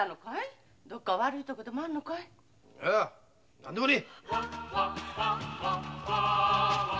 ・何でもねえ！